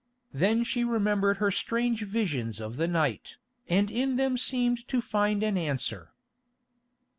Then she remembered her strange visions of the night, and in them seemed to find an answer.